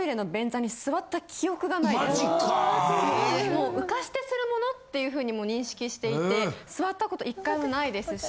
もう浮かしてするものっていうふうにもう認識していて座ったこと１回もないですし。